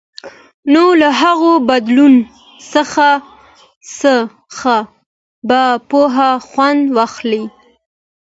نو له هغه بدلون څخه به پوره خوند واخلئ.